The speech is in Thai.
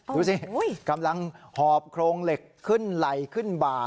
ดูสิกำลังหอบโครงเหล็กขึ้นไหล่ขึ้นบ่า